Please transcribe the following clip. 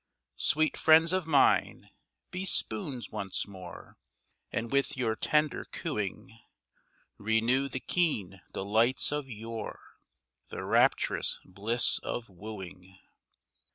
Sweet friends of mine, be spoons once more, And with your tender cooing Renew the keen delights of yore The rapturous bliss of wooing.